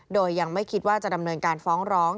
โดยยังไม่คิดว่าจะดำเนินการฟ้องร้อง